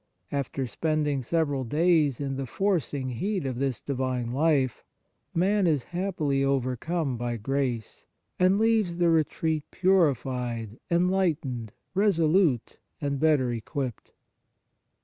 After spending several days in the forcing heat of this divine life, man is happily overcome by grace, and leaves the retreat purified, enlightened, reso lute and better equipped.